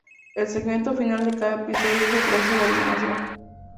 El segmento final de cada episodio es el proceso de eliminación.